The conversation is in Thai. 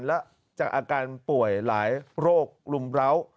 และจากอาการป่วยหลายโรครุมร้าว